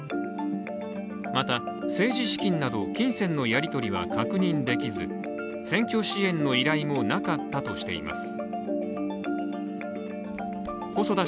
また、政治資金など金銭のやり取りは確認できず、選挙支援の依頼もなかったとしています。